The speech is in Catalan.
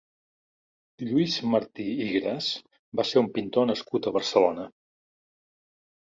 Lluís Martí i Gras va ser un pintor nascut a Barcelona.